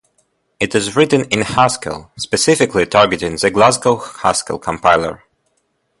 It is written in Haskell, specifically targeting the Glasgow Haskell Compiler.